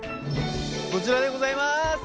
こちらでございます！